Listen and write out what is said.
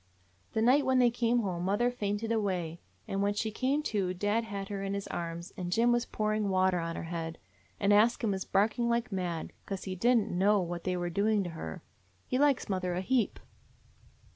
"The night when they came home mother fainted away; and when she came to dad had her in his arms and Jim was pouring water on her head, and Ask Him was barking like mad, 'cause he did n't know what they were doing to her. He likes mother a heap."